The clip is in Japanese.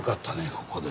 ここで。